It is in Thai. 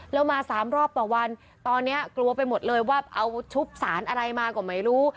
แล้วมา๓รอบต่อวันตอนนี้กลัวไปหมดเลยว่าเอาชุบสารอะไรมาก็ไม่รู้